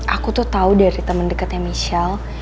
aku tuh tau dari temen deketnya michelle